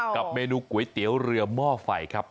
กับเมนูก๋วยเตี๋ยวเรือหม้อไฟครับ